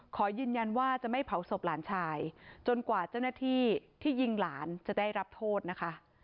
ขอยืนยันว่าจะไม่เผาศพหลานชายจนกว่าเจ้าหน้าที่ที่ยิงหลานจะได้รับโทษนะคะ